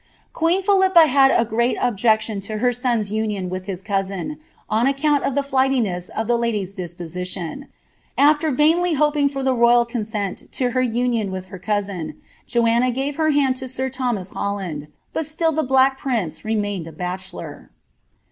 Queen Philippa had a great objection to her son^s union bis cousin,* on account of the Mightiness of the lady's disposition, vainly hoping for the royal consent to her union with her cousin, a nve her hand to Sir Thomas Holland ; but still the Black Prince Ma a bachelor.